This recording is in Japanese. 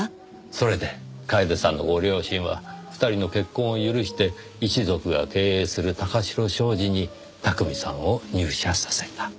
それで楓さんのご両親は２人の結婚を許して一族が経営する貴城商事に巧さんを入社させた。